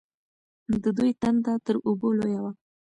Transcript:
د دوی تنده تر اوبو لویه وه.